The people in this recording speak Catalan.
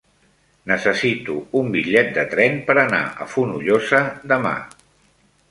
Necessito un bitllet de tren per anar a Fonollosa demà.